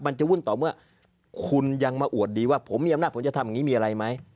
จะวุ่นต่อเมื่อคุณยังมาอวดดีว่าผมมีอำนาจผมจะทำอย่างนี้มีอะไรไหม